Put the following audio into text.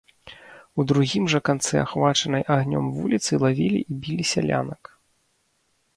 У другім жа канцы ахвачанай агнём вуліцы лавілі і білі сялянак.